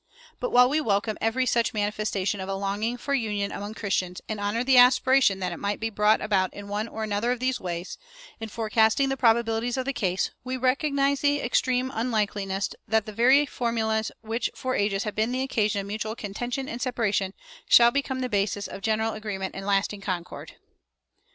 But while we welcome every such manifestation of a longing for union among Christians, and honor the aspiration that it might be brought about in one or another of these ways, in forecasting the probabilities of the case, we recognize the extreme unlikeliness that the very formulas which for ages have been the occasions of mutual contention and separation shall become the basis of general agreement and lasting concord.